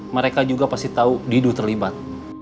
mereka juga pasti tahu didu terlibat